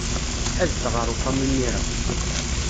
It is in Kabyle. Adef ɣer uxxam imir-a.